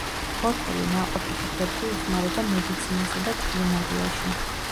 ფოთოლი, ნაყოფი და ქერქი იხმარება მედიცინასა და კულინარიაში.